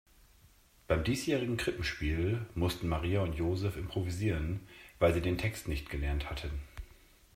Beim diesjährigen Krippenspiel mussten Maria und Joseph improvisieren, weil sie den Text nicht gelernt hatten.